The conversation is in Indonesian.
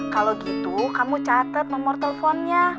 kalau gitu kamu catet nomor teleponnya